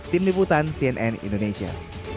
tim liputan cnn indonesia